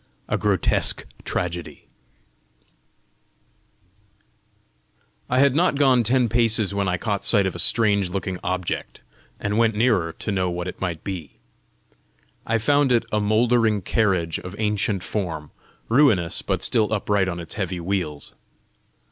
A GROTESQUE TRAGEDY I had not gone ten paces when I caught sight of a strange looking object, and went nearer to know what it might be. I found it a mouldering carriage of ancient form, ruinous but still upright on its heavy wheels.